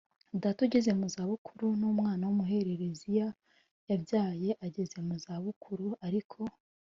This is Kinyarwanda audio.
data ugeze mu za bukuru n umwana w umuhererezia yabyaye ageze mu za bukuru Ariko